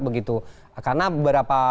begitu karena beberapa